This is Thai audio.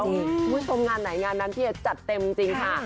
คุณผู้ชมงานไหนงานนั้นพี่เอจัดเต็มจริงค่ะ